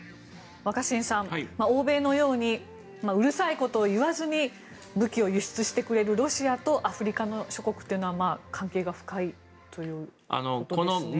若新さん、欧米のようにうるさいことを言わずに武器を輸出してくれるロシアとアフリカ諸国というのは関係が深いということですよね。